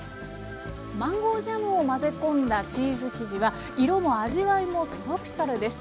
マンゴージャムを混ぜ込んだチーズ生地は色も味わいもトロピカルです。